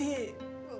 itu ya sih